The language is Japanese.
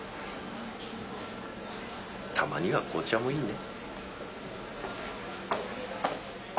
たまには紅茶もいいね。